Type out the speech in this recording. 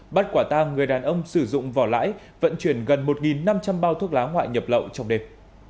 bắt quả tang người đàn ông sử dụng vỏ lãi vận chuyển gần một năm trăm linh bao thuốc lá ngoại nhập lậu trong đêm